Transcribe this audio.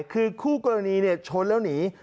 คือคู่กรณีชนแล้วหนี